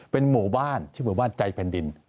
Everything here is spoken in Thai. เป็นหมู่บ้านชื่อหมู่บ้านใจแผ่นดิน